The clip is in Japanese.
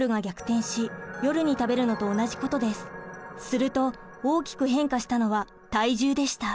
すると大きく変化したのは体重でした。